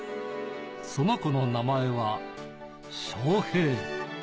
その子の名前は、翔平。